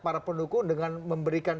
para pendukung dengan memberikan